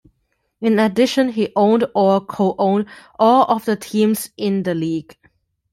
In addition he owned or co-owned all of the teams in the league.